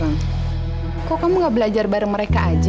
gak mau sama siapa kok kamu gak belajar bareng mereka aja